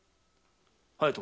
隼人。